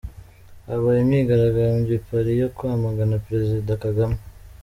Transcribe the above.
Habaye imyigaragambyo i Paris yo kwamagana Prezida Kagame.